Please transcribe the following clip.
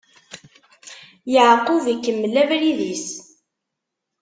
Yeɛqub ikemmel abrid-is.